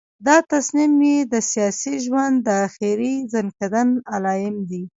دا تصمیم یې د سیاسي ژوند د آخري ځنکدن علایم دي.